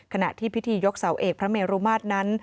ขณะที่พิธียกเสาเอกพระเมรุมาตรนั้น